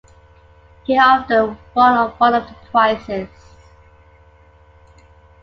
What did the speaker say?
He often won one of the prizes.